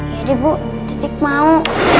jadi bu titik mau